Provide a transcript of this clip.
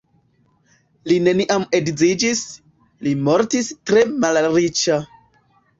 Li neniam edziniĝis, li mortis tre malriĉa.